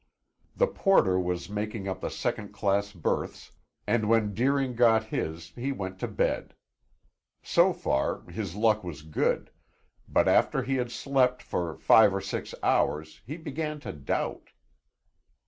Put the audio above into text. The porter was making up the second class berths and when Deering got his he went to bed. So far, his luck was good, but after he had slept for five or six hours he began to doubt.